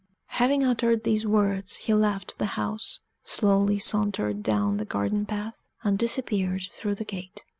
Having uttered these words, he left the house, slowly sauntered down the garden path, and disappeared through the gate.